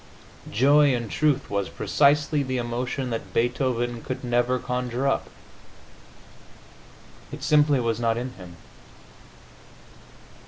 Joy, in truth, was precisely the emotion that Beethoven could never conjure up; it simply was not in him.